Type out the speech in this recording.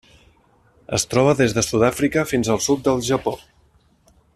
Es troba des de Sud-àfrica fins al sud del Japó.